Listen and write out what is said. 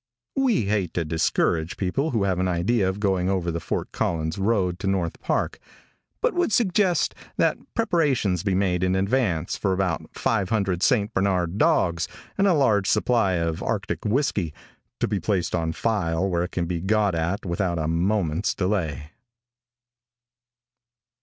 We hate to discourage people who have an idea of going over the Fort Collins road to North Park, but would suggest that preparations be made in advance for about five hundred St. Bernard dogs and a large supply of arctic whisky, to be placed on file where it can be got at without a moment's delay.